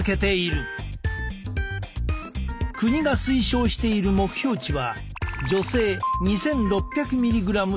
国が推奨している目標値は女性２，６００ｍｇ以上男性